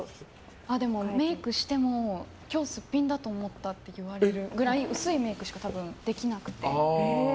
メイクしても今日すっぴんだと思ったって言われるぐらい薄いメイクしかできなくて。